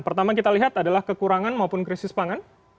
pertama kita lihat adalah kekurangan maupun krisis pangan